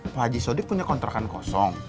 pak haji sodik punya kontrakan kosong